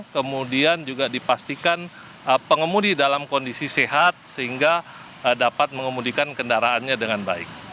kemudian juga dipastikan pengemudi dalam kondisi sehat sehingga dapat mengemudikan kendaraannya dengan baik